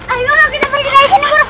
ayo guru kita pergi dari sini guru